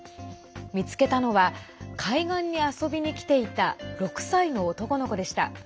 見つけたのは海岸に遊びにきていた６歳の男の子でした。